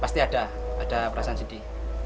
pasti ada ada perasaan sedih